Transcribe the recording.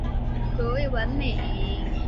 卒谥文敏。